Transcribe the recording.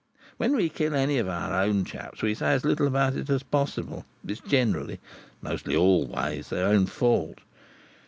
When we kill any of our own chaps, we say as little about it as possible. It's generally—mostly always—their own fault.